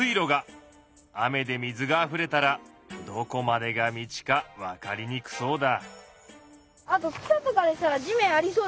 雨で水があふれたらどこまでが道か分かりにくそうだ。